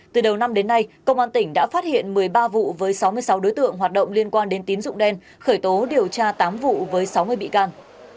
từ đầu năm đến nay công an tỉnh đã phát hiện một mươi ba vụ với sáu mươi sáu đối tượng hoạt động liên quan đến tín dụng đen khởi tố điều tra tám vụ với sáu mươi bị can